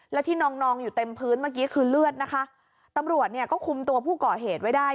แล้วที่นองนองอยู่เต็มพื้นเมื่อกี้คือเลือดนะคะตำรวจเนี่ยก็คุมตัวผู้ก่อเหตุไว้ได้